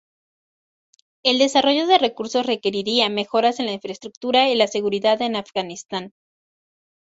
El desarrollo de recursos requeriría mejoras en la infraestructura y la seguridad en Afganistán.